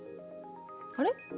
あれ？